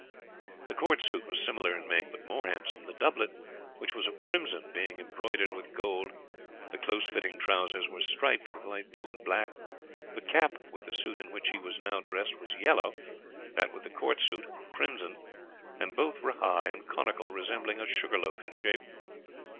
The court suit was similar in make, but more handsome the doublet, which was of crimson, being embroidered with gold; the closely fitting trousers were striped with light blue and black; the cap with the suit in which he was now dressed was yellow, that with the court suit crimson, and both were high and conical, resembling a sugar loaf in shape.